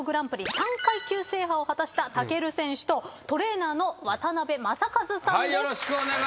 ３階級制覇を果たした武尊選手とトレーナーの渡辺雅和さんです。